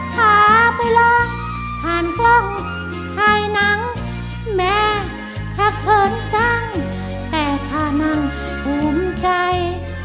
พาไปลองผ่านกล้องถ่ายหนังแม่ขักเขินจังแต่ข้านั่งภูมิใจ